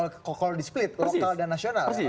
kekokol di split lokal dan nasional